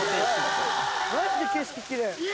マジで景色きれい。